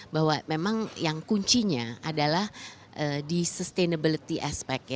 bahwa memang yang kuncinya adalah di sustainability aspect